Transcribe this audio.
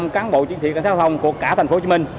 cán bộ chiến sĩ cảnh sát giao thông của cả thành phố hồ chí minh